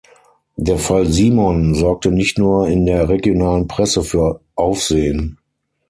Der Fall Simon sorgte nicht nur in der regionalen Presse für Aufsehen.